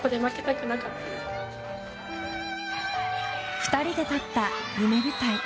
２人で立った夢舞台。